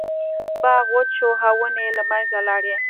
باغ وچ شو او ونې یې له منځه لاړې.